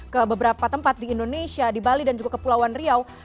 ke beberapa tempat di indonesia di bali dan juga kepulauan riau